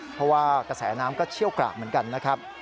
เพราะว่ากระแสน้ำก็เชี่ยวกรากเหมือนกันนะครับ